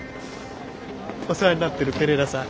お世話になってるペレラさん。